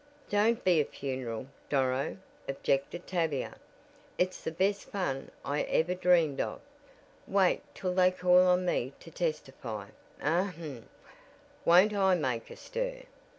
"Don't be a funeral, Doro," objected Tavia. "It's the best fun I ever dreamed of. Wait till they call on me to testify! Ahem! Won't I make a stir!"